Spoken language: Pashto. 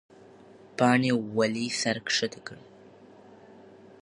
پاڼې ولې سر ښکته کړ؟